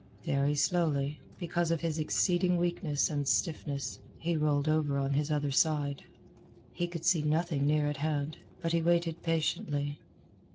Very slowly, because of his exceeding weakness and stiffness, he rolled over on his other side. He could see nothing near at hand, but he waited patiently.